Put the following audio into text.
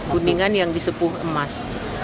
kuningan yang disepuh emas